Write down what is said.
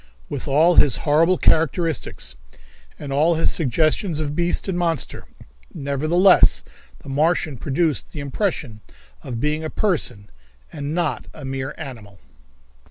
With all his horrible characteristics, and all his suggestions of beast and monster, nevertheless the Martian produced the impression of being a person and not a mere animal.